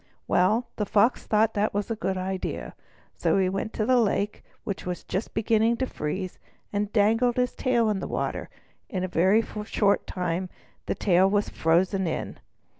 Well, the Fox thought that a good idea. So he went to the lake, which was just beginning to freeze, and dangled his tail in the water. In a very short time the tail was frozen in.